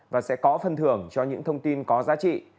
và sẽ có phân thưởng cho những thông tin có giá trị